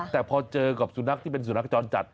แต่พอเจอกับสุนัขที่เป็นสุนัขจรจัด